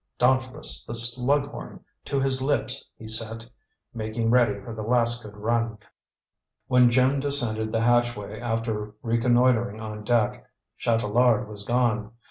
"Dauntless the slughorn to his lips he set " making ready for the last good run. When Jim descended the hatchway after reconnoitering on deck, Chatelard was gone.